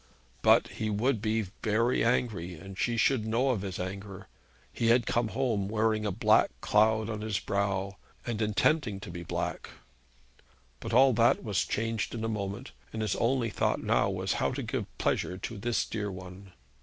But he would be very angry, and she should know of his anger. He had come home wearing a black cloud on his brow, and intending to be black. But all that was changed in a moment, and his only thought now was how to give pleasure to this dear one.